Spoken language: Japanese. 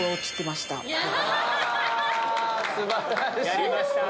やりました！